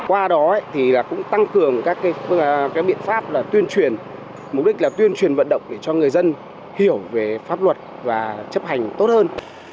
qua đó thì cũng tăng cường các biện pháp là tuyên truyền mục đích là tuyên truyền vận động để cho người dân hiểu về pháp luật và chấp hành tốt hơn